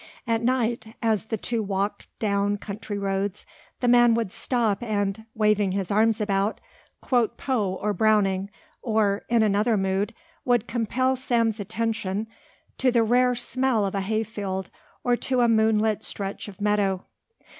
At night, as the two walked down country roads, the man would stop and, waving his arms about, quote Poe or Browning or, in another mood, would compel Sam's attention to the rare smell of a hayfield or to a moonlit stretch of meadow.